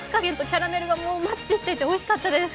キャラメルがマッチしていておいしかったです。